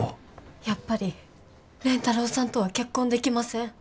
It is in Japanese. やっぱり蓮太郎さんとは結婚できません。